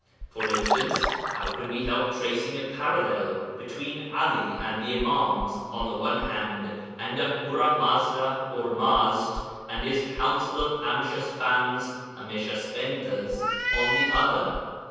For instance, how can we help tracing a parallel between 'Ali and the Imams on the one hand and Ahura Mazda (Ormazd) and his council of Amshaspands (Amesha spentas) on the other?